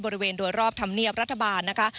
บริเวณโดยรอบธรรมเนียบรัฐบาลนะคะ